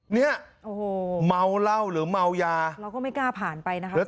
เนี่ยโอ้โหเมาเหล้าหรือเมายาเราก็ไม่กล้าผ่านไปนะคะ